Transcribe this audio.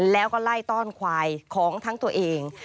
แล้วก็ไล่ต้อนควายของทั้งตัวเอง